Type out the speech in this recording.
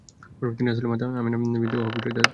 তিনি রাসূলের মাতা আমিনা বিনতে ওহাবের বাদী ছিলেন।